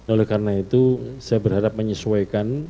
oleh karena itu saya berharap menyesuaikan